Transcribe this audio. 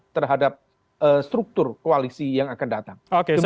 terhadap struktur koalisi yang akan datang